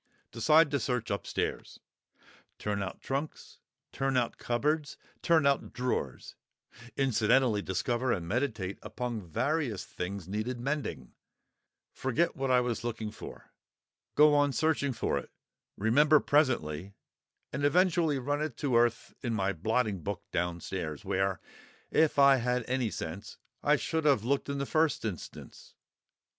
Decide to search upstairs; turn out trunks, turn out cupboards, turn out drawers (incidentally discover and meditate upon various things needing mending); forget what I was looking for; go on searching for it; remember presently, and eventually run it to earth in my blotting book downstairs, where, if I had had any sense, I should have looked in the first instance.